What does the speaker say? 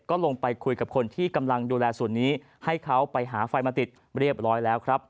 ก็ลงไปคุยกับคนที่กำลังดูแลส่วนนี้ให้เขาไปหาไฟมาติดเรียบร้อยแล้วครับ